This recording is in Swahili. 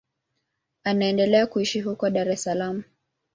Anaendelea kuishi huko Dar es Salaam.